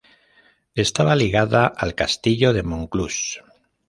Estaba ligada al Castillo de Monclús.